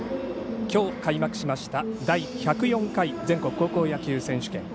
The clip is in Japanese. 今日、開幕しました第１０４回全国高校野球選手権。